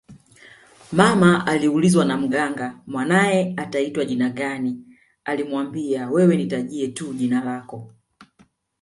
Mama aliulizwa na Mganga mwanae ataitwa jina gani alimuambia wewe nitajie tu jina lako